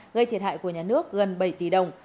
gây thiệt hại của nhà nước gần bảy tỷ đồng